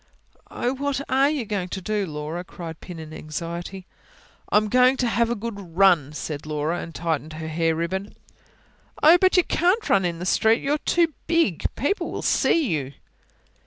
"Oh, what ARE you going to do, Laura?" cried Pin, in anxiety. "I'm going to have a good run," said Laura; and tightened her hair ribbon. "Oh, but you can't run in the street! You're too big. People'll see you."